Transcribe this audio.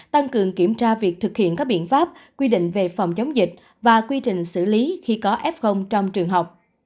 tăng cường kiểm tra việc thực hiện các biện pháp quy định về phòng chống dịch và quy trình xử lý khi có f trong trường học